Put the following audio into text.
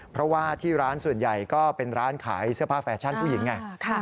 เพราะว่าที่ร้านส่วนใหญ่ก็เป็นร้านขายเสื้อผ้าแฟชั่นผู้หญิงไง